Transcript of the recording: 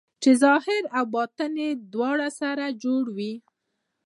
چې ظاهر او باطن یې دواړه سره جوړ وي.